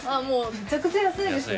めちゃくちゃ安いですね